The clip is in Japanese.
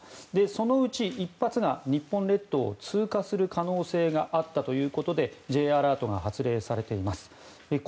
そのうち１発が日本列島を通過する可能性があったということでＪアラートが発令されています。